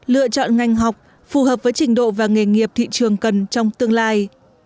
lựa chọn ngành học phù hợp với trình độ và nghề nghiệp thị trường cần trong tương lai